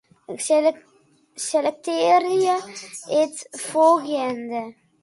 Selektearje it folgjende.